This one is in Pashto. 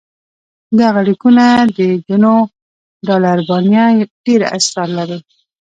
دغه لیکونه د جنودالربانیه ډېر اسرار لرل.